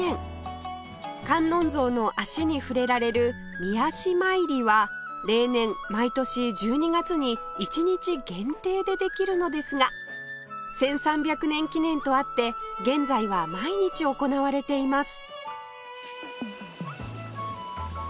観音像の足に触れられる御足参りは例年毎年１２月に１日限定でできるのですが１３００年記念とあって現在は毎日行われています